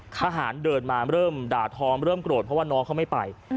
ทหารเดินมาเริ่มด่าท้องเริ่มโกรธเพราะว่าน้องเขาไม่ไป